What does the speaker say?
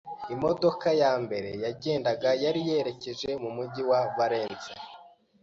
Imodoka ya mbere yagendaga yari yerekeje mu mujyi wa Valence